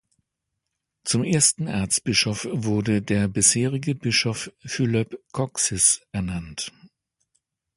Zum ersten Erzbischof wurde der bisherige Bischof Fülöp Kocsis ernannt.